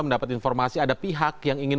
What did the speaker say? mendapat informasi ada pihak yang ingin